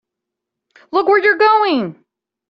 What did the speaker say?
Look where you're going!